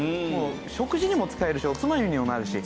食事にも使えるしおつまみにもなるし。